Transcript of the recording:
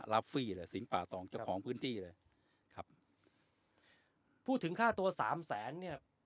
ฟี่เลยสิงป่าตองเจ้าของพื้นที่เลยครับพูดถึงค่าตัวสามแสนเนี่ย